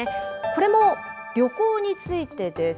これも旅行についてです。